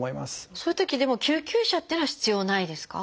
そういうときでも救急車っていうのは必要ないですか？